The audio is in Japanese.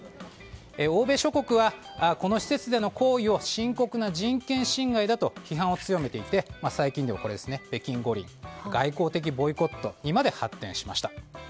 欧米諸国は、この施設での行為を深刻な人権侵害だと批判を強めていて最近では北京五輪の外交的ボイコットにまで発展しました。